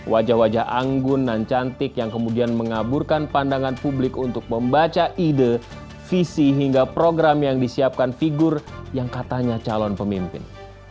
wajah wajah anggun dan cantik yang kemudian mengaburkan pandangan publik untuk membaca ide visi hingga program yang disiapkan figur yang katanya calon pemimpin